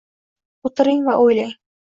O’tiring va o’ylang